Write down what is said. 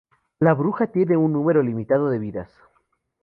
La bruja tiene un número limitado de vidas.